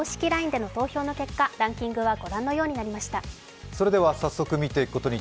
ＬＩＮＥでの投票の結果、ランキングは御覧のようになりました。